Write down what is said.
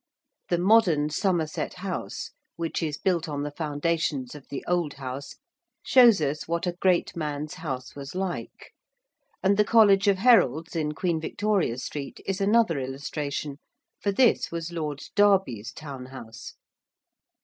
The modern Somerset House, which is built on the foundations of the old house, shows us what a great man's house was like: and the College of Heralds in Queen Victoria Street, is another illustration, for this was Lord Derby's town house.